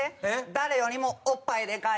誰よりもおっぱいでかいです。